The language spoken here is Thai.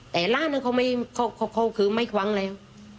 แต่ร้านนั้นเขาคือไม่คว้างแล้ว